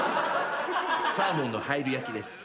サーモンのハイル焼きです。